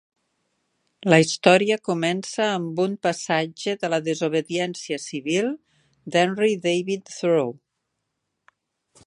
La història comença amb un passatge de la "Desobediència Civil" d'Henry David Thoreau.